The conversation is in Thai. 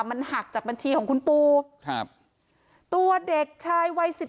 มันหักจากบัญชีของคุณปูครับตัวเด็กชายวัยสิบ